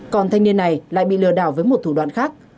còn thanh niên này lại bị lừa đảo với một thủ đoạn khác